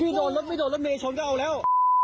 พี่โดนรถไม่โดนรถมีช้อนก็เอาแล้ว